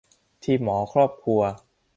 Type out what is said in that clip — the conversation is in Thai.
ทีมหมอครอบครัว